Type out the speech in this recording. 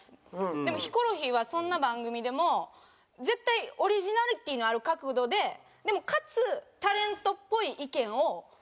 でもヒコロヒーはそんな番組でも絶対オリジナリティーのある角度ででもかつタレントっぽい意見を放り込むんですよ。